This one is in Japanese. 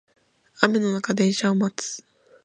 雨の中電車を待つ